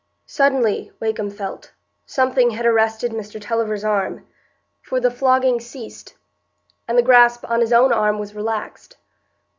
Suddenly, Wakem felt, something had arrested Mr Tulliver's arm; for the flogging ceased, and the grasp on his own arm was relaxed.